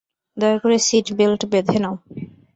দয়া করে seat belt বেঁধে নাও।